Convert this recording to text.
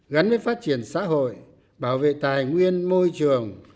gắn với phát triển xã hội bảo vệ tài nguyên môi trường